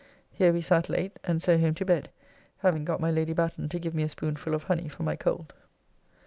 Here we sat late, and so home to bed, having got my Lady Batten to give me a spoonful of honey for my cold.